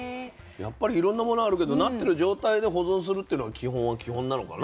やっぱりいろんなものあるけどなってる状態で保存するっていうのが基本は基本なのかな。